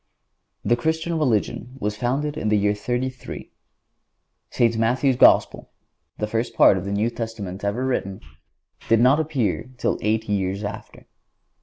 The Christian religion was founded in the year 33. St. Matthew's Gospel, the first part of the New Testament ever written, did not appear till eight years after.